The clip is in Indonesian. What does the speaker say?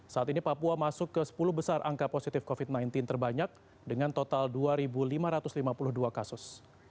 saat ini papua masuk ke sepuluh besar angka positif covid sembilan belas terbanyak dengan total dua lima ratus lima puluh dua kasus